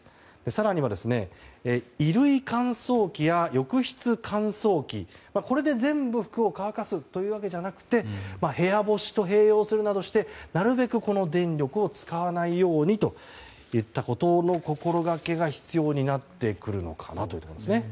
更には衣類乾燥機や浴室乾燥機これで全部服を乾かすわけじゃなくて部屋干しと併用するなどしてなるべく電力を使わないようにといったことの心掛けが必要になってくるのかなというところですね。